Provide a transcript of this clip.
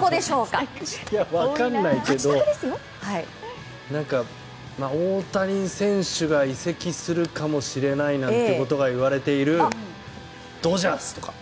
分かんないけど大谷選手が移籍するかもしれないなんてことがいわれているドジャースとか？